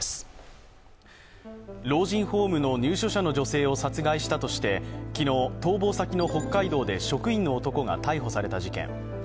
老人ホームの入所者の女性を殺害したとして昨日、逃亡先の北海道で職員の男が逮捕された事件。